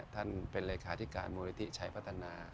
ท่านเป็นเอกอาร์ทิการมภพุมนิทิฉัยพัฒนา